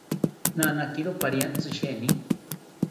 Nanakiro pariantzi sheeni